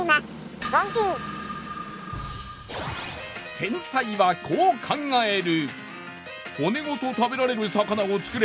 天才はこう考える。